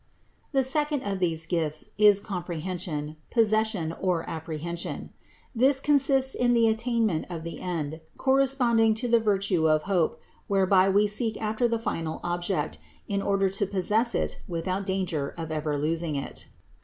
164. The second of these gifts is comprehension, pos session or apprehension. This consists in the attainment of the end, corresponding to the virtue of hope, whereby we seek after the final Object in order to possess It without danger of ever losing It.